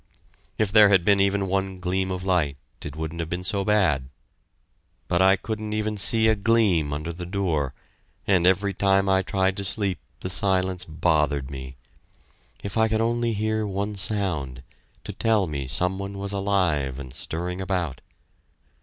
If there had been even one gleam of light it wouldn't have been so bad, but I couldn't even see a gleam under the door, and every time I tried to sleep the silence bothered me if I could only hear one sound, to tell me some one was alive and stirring about!